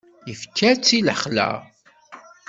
Ifka-tt i lexla.